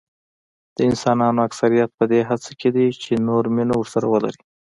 د انسانانو اکثریت په دې هڅه کې دي چې نور مینه ورسره ولري.